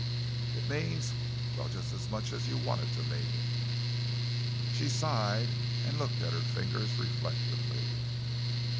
"It means well, just as much as you want it to mean." She sighed and looked at her fingers reflectively.